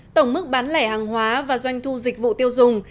tổng mức bán lẻ hàng hóa và doanh thu dịch vụ tiêu dùng